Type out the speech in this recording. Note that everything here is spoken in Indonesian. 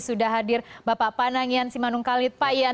sudah hadir bapak panangian simanung kalit pak ian